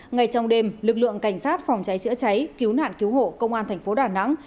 ngay trong đêm lực lượng cảnh sát phòng cháy chữa cháy cứu nạn cứu hộ công an thành phố đà nẵng